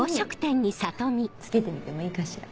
着けてみてもいいかしら？